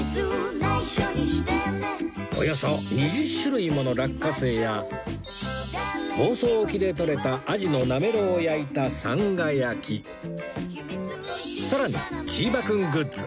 およそ２０種類もの落花生や房総沖で取れたアジのなめろうを焼いたさらにチーバくんグッズ